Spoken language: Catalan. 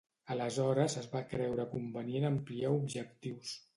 Aleshores es va creure convenient ampliar objectius.